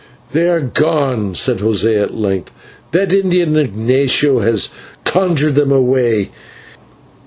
"They are gone," said José at length, "that Indian, Ignatio, has conjured them away.